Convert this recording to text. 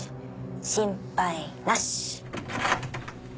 心配なし。